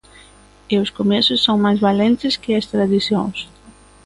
E os comezos son máis valentes que as tradicións.